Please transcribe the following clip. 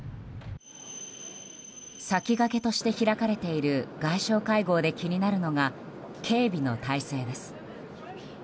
先駆けとして開かれている外相会合で気になるのが警備の態勢です。